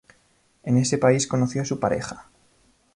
En ese país conoció a su pareja.